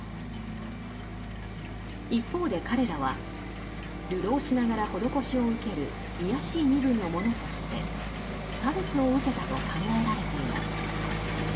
一方で彼らは流浪しながら施しを受ける卑しい身分の者として差別を受けたと考えられています。